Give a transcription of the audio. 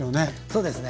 そうですね。